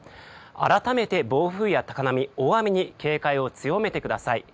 改めて暴風や高波、大雨に警戒を強めてください。